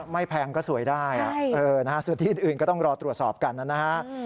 แพงก็สวยได้ส่วนที่อื่นก็ต้องรอตรวจสอบกันนะฮะ